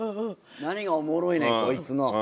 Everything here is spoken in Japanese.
何がおもろいねんこいつの。